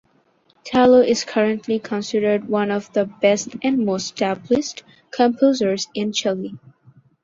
Tilo is currently considered one of the best and most established composers in Chile.